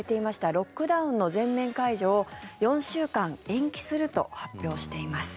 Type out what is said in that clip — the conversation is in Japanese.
ロックダウンの全面解除を４週間延期すると発表しています。